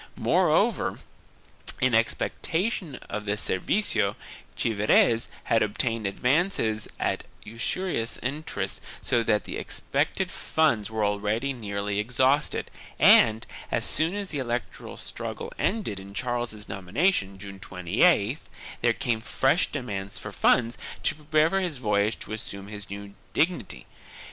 Moreover, in expectation of the servicio, Chievres had obtained advances at usurious interest so that the expected funds were already nearly exhausted and, as soon as the electoral struggle ended in Charles's nomination, June 28th, there came fresh demands for funds to prepare for his voyage to assume his new dignity.